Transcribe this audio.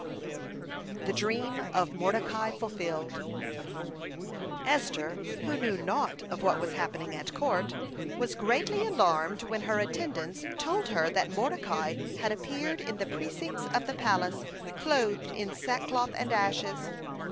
(126) THE DREAM OF MORDECAI FULFILLED Esther, who knew naught of what was happening at court, was greatly alarmed when her attendants told her that Mordecai had appeared in the precincts of the palace clothed in sackcloth and ashes.